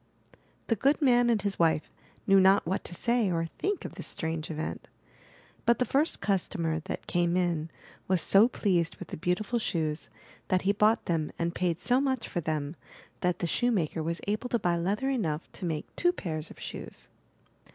The good man and his wife knew not what to say or think of this strange event. But the first customer that came in was so pleased with the beautiful shoes, that he bought them and paid so much for them that the shoemaker was able to buy leather enough to make two pairs of shoes.